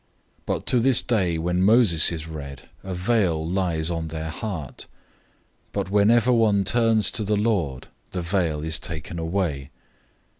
003:015 But to this day, when Moses is read, a veil lies on their heart. 003:016 But whenever one turns to the Lord, the veil is taken away.